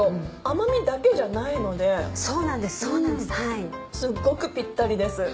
甘みだけじゃないのですっごくピッタリです。